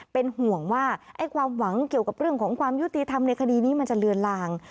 เป็นห่วงว่าความหวังเกี่ยวกับเรื่องของความยุติธรรมในคดีนี้มันจะเลือนลาง